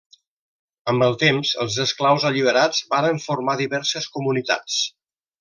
Amb el temps, els esclaus alliberats varen formar diverses comunitats.